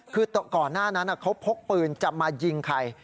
คือก่อนหน้านั้นเขาพกปืนจะมายิงใคร